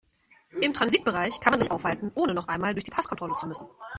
Im Transitbereich kann man sich aufhalten, ohne noch einmal durch die Passkontrolle zu müssen.